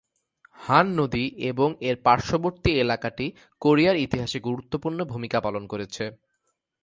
হান নদী এবং এর পার্শ্ববর্তী এলাকাটি কোরিয়ার ইতিহাসে গুরুত্বপূর্ণ ভূমিকা পালন করেছে।